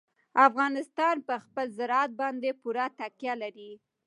افغانستان په خپل زراعت باندې پوره تکیه لري.